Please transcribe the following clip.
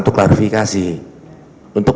untuk klarifikasi untuk